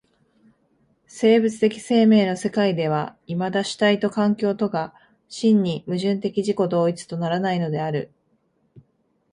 生物的生命の世界ではいまだ主体と環境とが真に矛盾的自己同一とならないのである。